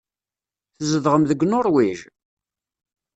Tzedɣem deg Nuṛwij?